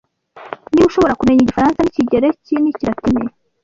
Niba ushobora kumenya Igifaransa n'Ikigereki n'Ikilatini,